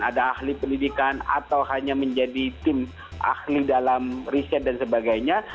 ada ahli pendidikan atau hanya menjadi tim ahli dalam riset dan sebagainya